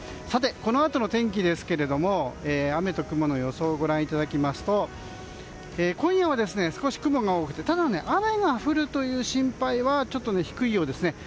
このあとの天気ですが雨と雲の予想をご覧いただきますと今夜は少し雲が多くて雨が降る心配はちょっと低いようですね。